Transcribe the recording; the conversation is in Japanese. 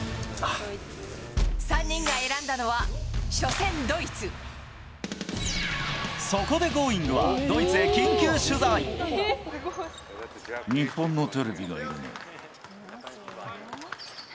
３人が選んだのは初戦、そこでＧｏｉｎｇは、ドイツ日本のテレビがいるね。